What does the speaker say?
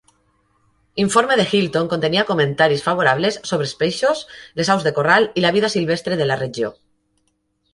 Informe de Hilton contenia comentaris favorables sobre els peixos, les aus de corral i la vida silvestre de la regió.